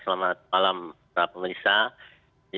selamat malam pak pemerintah